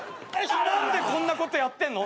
何でこんなことやってんの？